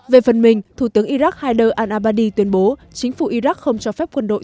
về phần mình thủ tướng iraq haider al abadi tuyên bố chính phủ iraq không cho phép quân đội